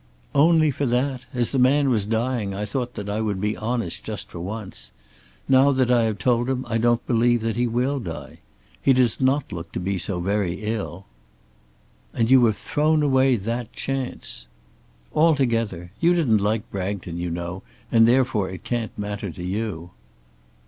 "Only for that! As the man was dying I thought that I would be honest just for once. Now that I have told him I don't believe that he will die. He does not look to be so very ill." "And you have thrown away that chance!" "Altogether. You didn't like Bragton you know, and therefore it can't matter to you."